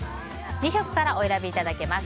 ２色からお選びいただけます。